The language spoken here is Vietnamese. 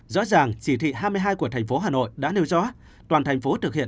rõ ràng chỉ thị hai mươi hai của tp hà nội đã nêu cho toàn thành phố thực hiện